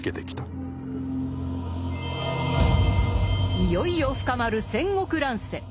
いよいよ深まる戦国乱世。